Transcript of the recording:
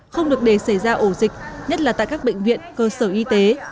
không được để xảy ra ổ dịch nhất là tại các bệnh viện cơ sở y tế